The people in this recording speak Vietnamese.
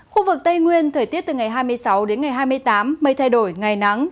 khu vực tây nguyên thời tiết từ ngày hai mươi sáu đến ngày hai mươi tám mây thay đổi ngày nắng